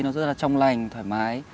nó rất là trong lành thoải mái